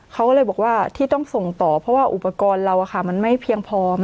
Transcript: เขาก็เลยบอกว่าที่ต้องส่งต่อเพราะว่าอุปกรณ์เรามันไม่เพียงพอ